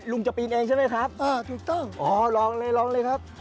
ลุงจะปีนเองใช่ไหมครับอ่าถูกต้องอ๋อลองเลยลองเลยครับ